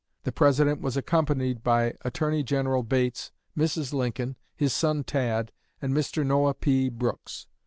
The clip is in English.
The President was accompanied by Attorney General Bates, Mrs. Lincoln, his son Tad, and Mr. Noah P. Brooks.